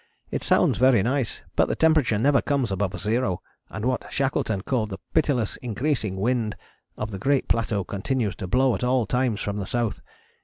It sounds very nice, but the temperature never comes above zero and what Shackleton called "the pitiless increasing wind" of the great plateau continues to blow at all times from the south.